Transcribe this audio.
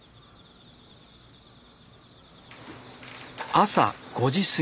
朝５時すぎ。